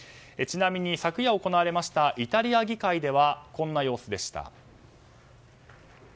ちなみに昨夜行われたイタリア議会ではこんな様子でした。